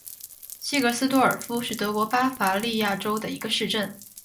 西格斯多尔夫是德国巴伐利亚州的一个市镇。